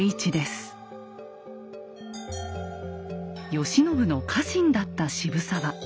慶喜の家臣だった渋沢。